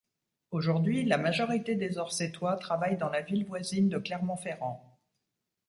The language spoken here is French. Aujourd'hui, la majorité des Orcétois travaillent dans la ville voisine de Clermont-Ferrand.